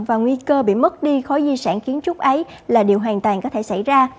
và nguy cơ bị mất đi khó di sản kiến trúc ấy là điều hoàn toàn có thể xảy ra